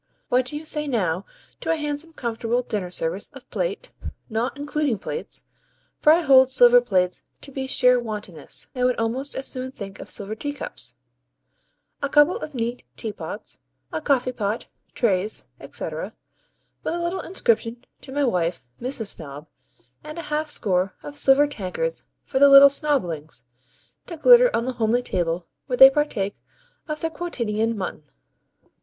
What do you say now to a handsome comfortable dinner service of plate (NOT including plates, for I hold silver plates to be sheer wantonness, and would almost as soon think of silver teacups), a couple of neat teapots, a coffeepot, trays, &c., with a little inscription to my wife, Mrs. Snob; and a half score of silver tankards for the little Snoblings, to glitter on the homely table where they partake of their quotidian mutton?